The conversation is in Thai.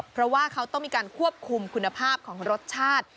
เพราะว่าเขาต้องมีการควบคุมคุณภาพของรสชาติ